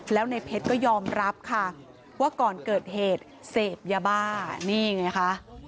แล้วในเพชรก็ยอมรับค่ะว่าก่อนเกิดเหตุเสพยาบ้านี่ไงคะ